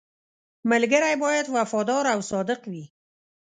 • ملګری باید وفادار او صادق وي.